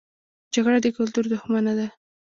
جګړه د کلتور دښمنه ده